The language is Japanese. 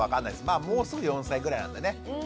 まあもうすぐ４歳ぐらいなんでね。